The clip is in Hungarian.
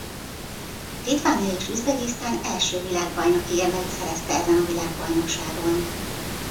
Litvánia és Üzbegisztán első világbajnoki érmeit szerezte ezen a világbajnokságon.